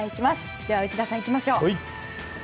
では、内田さんいきましょう。